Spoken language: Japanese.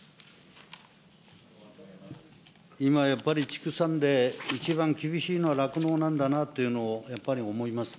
今やっぱり畜産で一番厳しいのは、酪農なんだなというのをやっぱり思います。